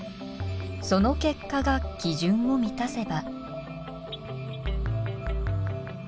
その結果が基準を満たせば。